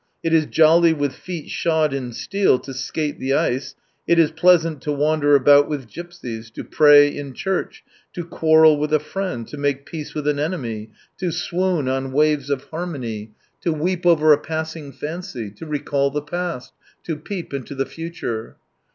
It is jolly " with feet shod in steel " to skate the ice, it is pleasant to wander about with gypsies, to pray in church, to quarrel with a friend, to make peace with an enemy, to swoon on waves of harmony, to weep over 26 a passing fancy, to recall the past, to peep into the future.